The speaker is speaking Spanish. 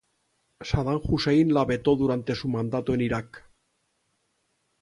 Sadam Hussein la vetó durante su mandato en Irak.